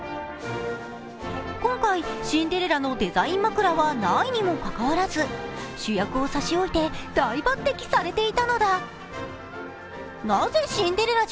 今回シンデレラのデザイン枕はないにもかかわらず、主役を差し置いて、枕になっていたのだ。